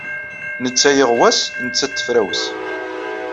Netta yiɣwas, nettat tefrawes.